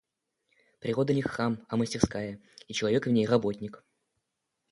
Природа не храм, а мастерская, и человек в ней работник.